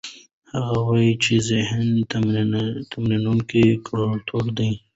هغه وویل چې ذهنې تمرینونه ګټور دي.